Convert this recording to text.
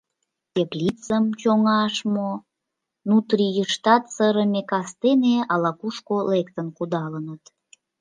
Теплицым чоҥаш мо, нутрийыштат сырыме кастене ала-кушко лектын кудалыныт.